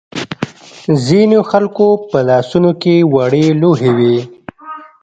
ځینو خلکو په لاسونو کې وړې لوحې وې.